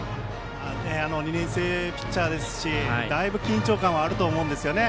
２年生ピッチャーですしだいぶ緊張感はあると思うんですよね。